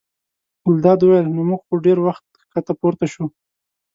ګلداد وویل: نو موږ خو ډېر وخت ښکته پورته شوو.